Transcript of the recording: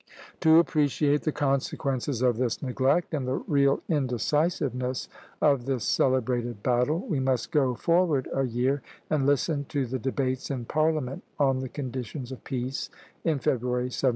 To appreciate the consequences of this neglect, and the real indecisiveness of this celebrated battle, we must go forward a year and listen to the debates in Parliament on the conditions of peace, in February, 1783.